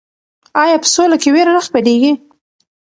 آیا په سوله کې ویره نه خپریږي؟